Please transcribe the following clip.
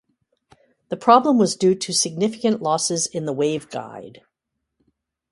The problem was due to significant losses in the waveguide.